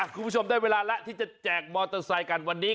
คุณผู้ชมได้เวลาแล้วที่จะแจกมอเตอร์ไซค์กันวันนี้